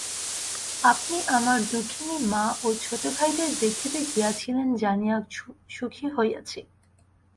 আপনি আমার দুঃখিনী মা ও ছোটভাইদের দেখিতে গিয়াছিলেন জানিয়া সুখী হইয়াছি।